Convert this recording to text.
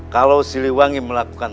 kalau siliwangi melakukan